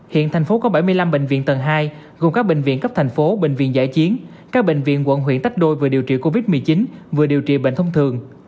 hiện thành phố có bảy mươi năm bệnh viện tầng hai gồm các bệnh viện cấp thành phố bệnh viện giải chiến các bệnh viện quận huyện tách đôi vừa điều trị covid một mươi chín vừa điều trị bệnh thông thường